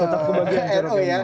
tetap kebagian ceruk